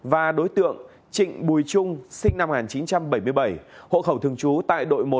và đối tượng trịnh bùi trung sinh năm một nghìn chín trăm bảy mươi bảy hộ khẩu thường trú tại đội một